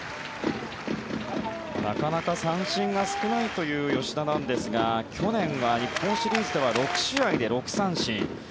なかなか三振が少ないという吉田なんですが去年は日本シリーズでは６試合で６三振。